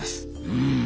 うん。